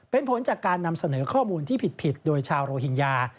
เป็นผลจากการนำเสนอข้อมูลที่ผิดโดยชาวโรฮิงญา